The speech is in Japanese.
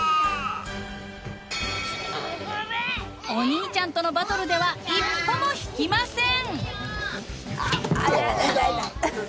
［お兄ちゃんとのバトルでは一歩も引きません］